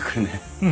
うん。